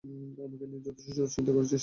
আমাকে নিয়ে যথেষ্ট দুশ্চিন্তা করেছিস।